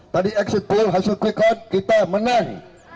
tadi exit pool hasil quick count kita menang